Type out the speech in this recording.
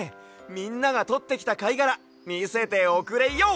みんながとってきたかいがらみせておくれＹＯ！